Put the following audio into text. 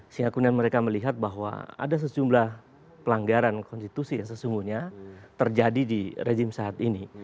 sehingga kemudian mereka melihat bahwa ada sejumlah pelanggaran konstitusi yang sesungguhnya terjadi di rejim saat ini